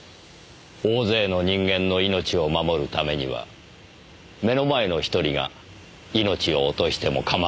大勢の人間の命を守るためには目の前の１人が命を落としてもかまわない。